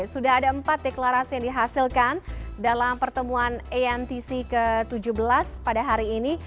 sudah ada empat deklarasi yang dihasilkan dalam pertemuan antc ke tujuh belas pada hari ini